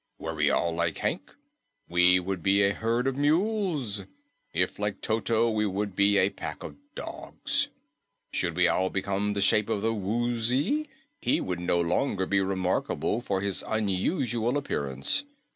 Were we all like Hank, we would be a herd of mules; if like Toto, we would be a pack of dogs; should we all become the shape of the Woozy, he would no longer be remarkable for his unusual appearance.